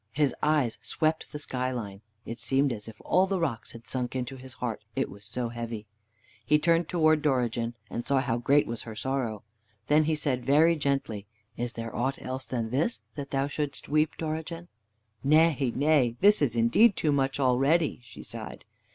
His eyes swept the skyline. It seemed as as if all the rocks had sunk into his heart, it was so heavy. He turned towards Dorigen, and saw how great was her sorrow. Then he said very gently: "Is there aught else than this, that thou shouldst weep, Dorigen?" "Nay, nay, this is indeed too much already," she sighed.